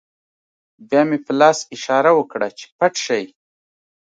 بیا مې په لاس اشاره وکړه چې پټ شئ